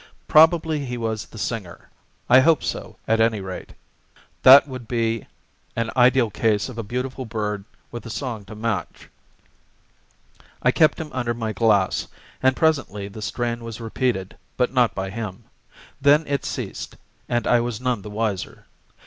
Probably he was the singer. I hoped so, at any rate. That would be an ideal case of a beautiful bird with a song to match. I kept him under my glass, and presently the strain was repeated, but not by him. Then it ceased, and I was none the wiser.